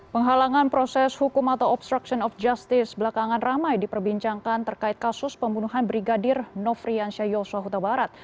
penghalangan proses hukum atau obstruction of justice belakangan ramai diperbincangkan terkait kasus pembunuhan brigadir nofriansyah yosua huta barat